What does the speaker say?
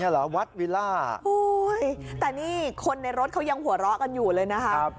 โหแต่นี่คนในรถเค้ายังหัวเราะกันอยู่เลยนะครับ